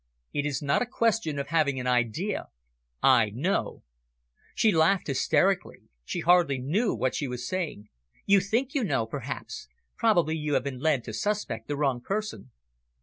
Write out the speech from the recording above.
"It is not a question of having an idea. I know." She laughed hysterically; she hardly knew what she was saying. "You think you know, perhaps. Probably you have been led to suspect the wrong person."